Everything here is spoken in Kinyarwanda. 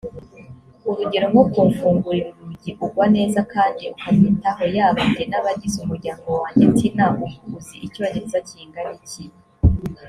urugero nko kumfungurira urugi ugwa neza kandi akanyitaho yaba jye n abagize umuryango wanjye tina ubu uzi icyongereza kingana iki